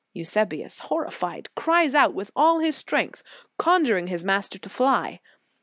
Eusebius, horrified, cries out with all his strength, conjuring his master to fly.